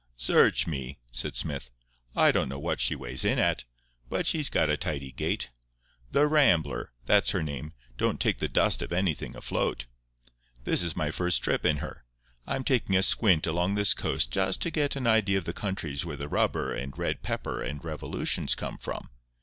"Search me!" said Smith. "I don't know what she weighs in at. But she's got a tidy gait. The Rambler—that's her name—don't take the dust of anything afloat. This is my first trip on her. I'm taking a squint along this coast just to get an idea of the countries where the rubber and red pepper and revolutions come from.